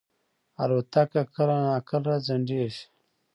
الوتکه کله ناکله ځنډېږي.